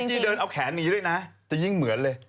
ที่เดินเอาแขนหนีด้วยนะจะยิ่งเหมือนเลย